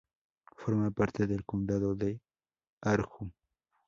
Formaba parte del Condado de Harju.